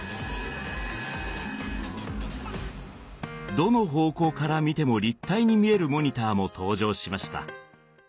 どの方向から見ても立体に見えるモニターも登場しました。